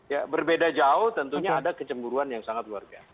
ya berbeda jauh tentunya ada kecemburuan yang sangat luar biasa